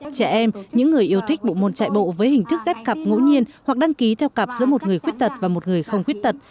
trẻ em những người yêu thích bộ môn chạy bộ với hình thức ghép cặp ngỗ nhiên hoặc đăng ký theo cặp giữa một người khuyết tật và một người không khuyết tật